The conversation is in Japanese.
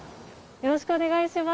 よろしくお願いします。